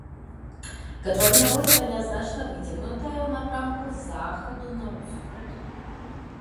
Катлавіна возера нязначна выцягнутая ў напрамку з захаду на ўсход.